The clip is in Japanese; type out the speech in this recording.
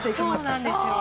そうなんですよ。